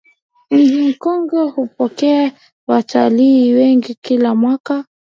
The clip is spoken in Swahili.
Mji Mkongwe hupokea watalii wengi kila mwaka